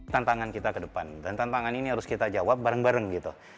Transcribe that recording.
tantangan kita ke depan dan tantangan ini harus kita jawab bareng bareng gitu